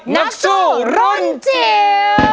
นักสู้รุ่นจิ๋ว